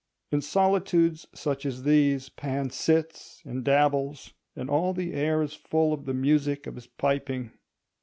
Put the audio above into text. In solitudes such as these Pan sits and dabbles, and all the air is full of the music of his piping.